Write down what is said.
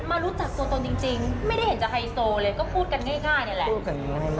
อ้าวรู้จักตนมากขึ้นนะคะ